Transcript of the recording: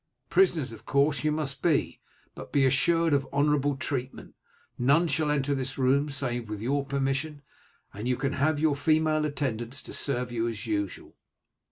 Prisoners, of course, you must be, but be assured of honourable treatment. None shall enter this room save with your permission, and you can have your female attendants to serve you as usual."